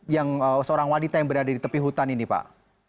yang seorang wanita yang berada di tepi hutan ini pak